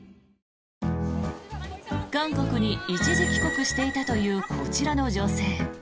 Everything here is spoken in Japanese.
韓国に一時帰国していたというこちらの女性。